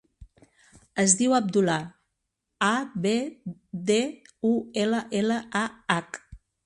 Es diu Abdullah: a, be, de, u, ela, ela, a, hac.